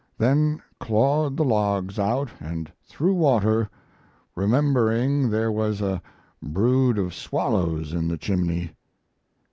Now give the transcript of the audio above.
Then clawed the logs out & threw water, remembering there was a brood of swallows in the chimney.